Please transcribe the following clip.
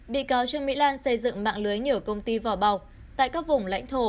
bị cáo trương mỹ lan xây dựng mạng lưới nhiều công ty vỏ bọc tại các vùng lãnh thổ